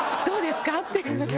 「どうですか？」っていう。